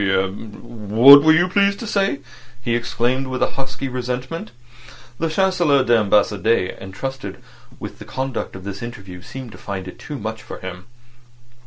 "Eh? What were you pleased to say?" he exclaimed, with husky resentment. The Chancelier d'Ambassade entrusted with the conduct of this interview seemed to find it too much for him.